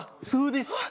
そうです。